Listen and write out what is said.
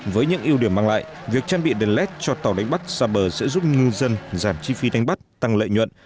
với những ưu điểm mang lại việc trang bị đèn led cho tàu đánh bắt xa bờ sẽ giúp ngư dân giảm chi phí đánh bắt tăng lợi nhuận